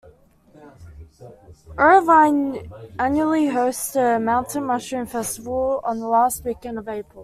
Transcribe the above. Irvine annually hosts the Mountain Mushroom Festival on the last weekend of April.